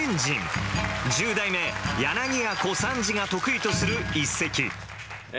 十代目柳家小三治が得意とする一席え